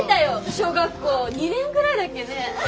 小学校２年ぐらいだっけね。